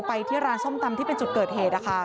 ไปที่ร้านซ่อมตำที่เป็นจุดเกิดเหตุค่ะ